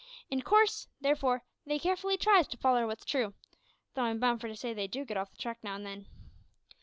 In coorse, therefore, they carefully tries to foller wots true though I'm bound for to say they do git off the track now an' then.